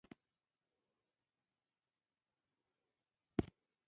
د معتزله په نامه یاده شوه.